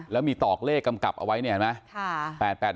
แล้วมีตอกเลขกำกับเอาไว้เนี่ยเห็นไหม